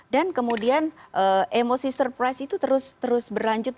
dan kemudian emosi surprise itu terus berlanjut